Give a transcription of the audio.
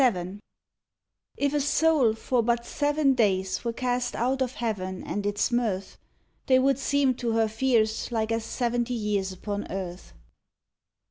VII If a soul for but seven days were cast out of heaven and its mirth, They would seem to her fears like as seventy years upon earth.